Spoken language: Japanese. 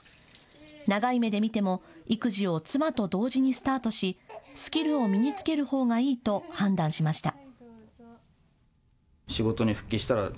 長い目で見ても育児を妻と同時にスタートしスキルを身につけるほうがいいと判断しました。